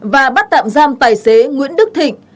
và bắt tạm giam tài xế nguyễn đức thịnh